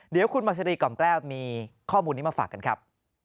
เดี๋ยวคุณมัชรีกล่อมแก้วมีข้อมูลนี้มาฝากกันครับ